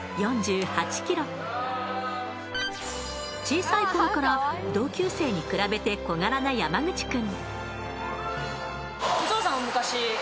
小さいころから同級生に比べて小柄な山口君。